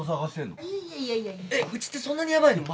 うちってそんなにヤバいの？